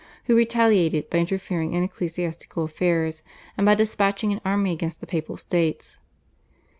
who retaliated by interfering in ecclesiastical affairs and by despatching an army against the Papal States.